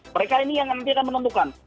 mereka ini yang nanti akan menentukan